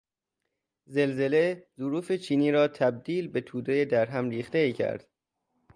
زلزله ظروف چینی را تبدیل به تودهی در هم ریختهای کرد.